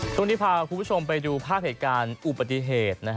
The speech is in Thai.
ช่วงนี้พาคุณผู้ชมไปดูภาพเหตุการณ์อุบัติเหตุ